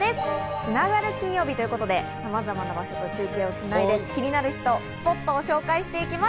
「つながる金曜日」ということで、さまざまな場所と中継をつないで、気になる人、スポットを紹介していきます。